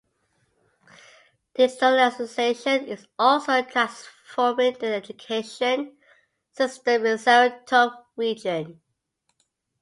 Digitalization is also transforming the education system in the Saratov region.